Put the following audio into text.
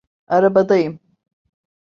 Arabadayım.